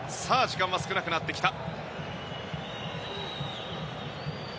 時間は少なくなってきた。